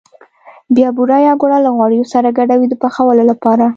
بیا بوره یا ګوړه له غوړیو سره ګډوي د پخولو لپاره.